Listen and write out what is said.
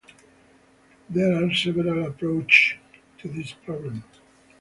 There are several approaches to this problem.